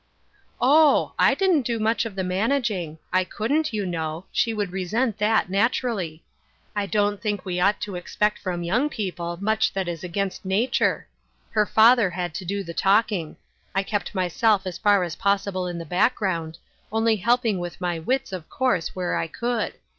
"Oh! I didn't do much of the managing. I couldn't, you know ; she would resent that, nat urally. I don't think we ought to expect from young people much that is against nature. Her father had to do the talking ; I kept myself as far as possible in the background, only helping with my wits, of course, where I could.